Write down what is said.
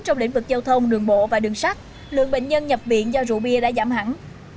trong lĩnh vực giao thông đường bộ và đường sắt lượng bệnh nhân nhập viện do rượu bia đã giảm hẳn